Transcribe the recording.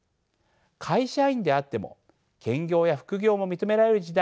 会社員であっても兼業や副業も認められる時代になっています。